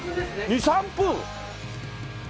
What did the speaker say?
２３分！